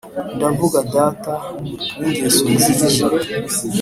ndavuga data w' ingeso nziza